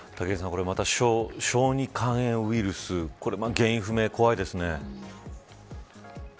これまた小児肝炎ウイルス原因不明、怖いですね。